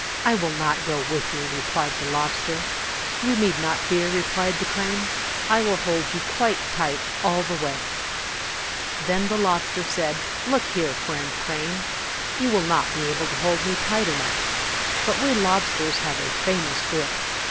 I will not go with you !" replied the lobster. 37 "You need not fear," replied the crane; "I will hold you quite tight all the way." Then the lobster said, "Look here, Friend Crane, you will not be able to hold me tight enough; but we lobsters have a famous grip.